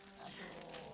apa kasih po